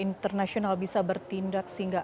internasional bisa bertindak sehingga